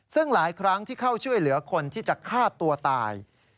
ซึ่งหลายครั้งที่เข้าช่วยเหลือคนที่จะฆ่าตัวตาย